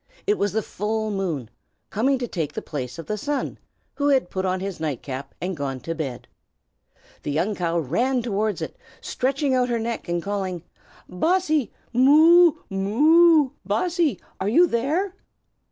It was the full moon, coming to take the place of the sun, who had put on his nightcap and gone to bed. The young cow ran towards it, stretching out her neck, and calling, "Bossy! Moo! moo! Bossy, are you there?"